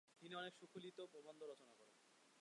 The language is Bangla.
তিনি অনেক সুলিখিত প্রবন্ধ রচনা করেন।